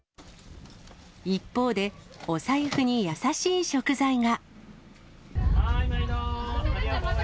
一方で、お財布に優しい食材が。